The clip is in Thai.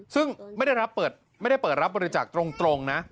ซึ่งไม่ได้เปิดรับบริจาคตรงนะ